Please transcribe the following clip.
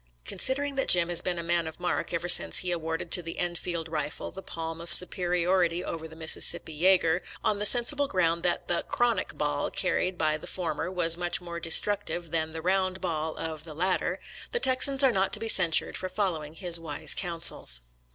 Considering that Jim has been a man of mark ever since he awarded to the En field rifle the palm of superiority over the Mis sissippi Yager, on the sensible ground that the " chronic " ball carried by the former was much more destructive than the round ball of the lat ter, the Texans are not to be censured for follow ing his wise counsels.